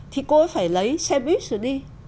thì cô ấy phải lấy xe buýt rồi đi